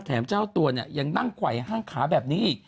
แถมเจ้าตัวนี่ยังนั่งไหวห้างขาแบบนี้